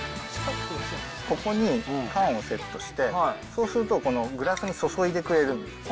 ここに缶をセットして、そうするとこのグラスに注いでくれるんです。